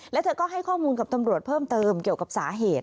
แล้วเธอก็ให้ข้อมูลกับตำรวจเพิ่มเติมเกี่ยวกับสาเหตุ